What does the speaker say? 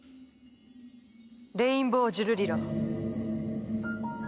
レインボージュルリラ。